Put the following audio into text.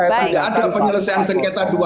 tidak ada penyelesaian sengketa dua puluh satu